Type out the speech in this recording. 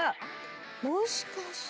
もしかして。